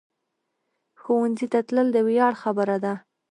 ښوونځی ته تلل د ویاړ خبره ده